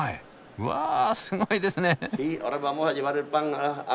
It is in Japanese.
うわあすごいですね！